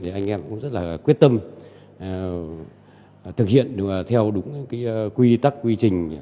thì anh em cũng rất là quyết tâm thực hiện theo đúng quy tắc quy trình